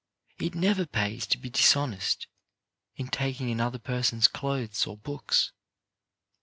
It never pays to be dishonest in taking another person's clothes or books.